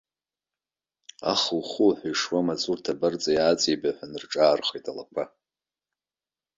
Аху-хуҳәа ишуа амаҵурҭа абарҵа иааҵибаҳәан рҿаархеит алақәа.